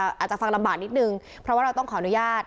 อาจจะฟังลำบากนิดนึงเพราะว่าเราต้องขออนุญาต